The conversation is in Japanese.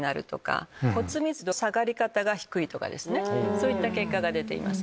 そういった結果が出ています。